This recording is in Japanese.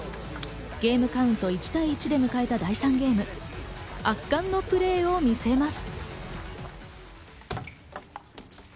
ゲームカウント１対１で迎えた第３ゲーム、圧巻のプレーを見せます。